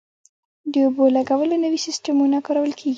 د اوبو لګولو نوي سیستمونه کارول کیږي.